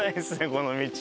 この道。